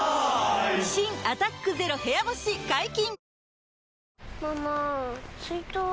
新「アタック ＺＥＲＯ 部屋干し」解禁‼